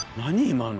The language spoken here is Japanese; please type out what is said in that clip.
今の。